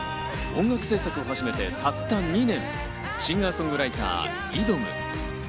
音楽制作を始めてたった２年、シンガーソングライター、ｉｄｏｍ。